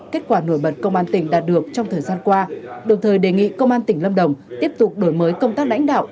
kết quả nổi bật công an tỉnh đạt được trong thời gian qua đồng thời đề nghị công an tỉnh lâm đồng tiếp tục đổi mới công tác lãnh đạo